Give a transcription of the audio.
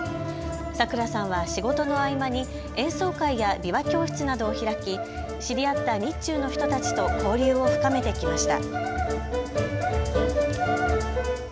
さくらさんは仕事の合間に演奏会や琵琶教室などを開き知り合った日中の人たちと交流を深めてきました。